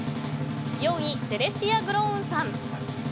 ４位セレスティア・グロウンさん。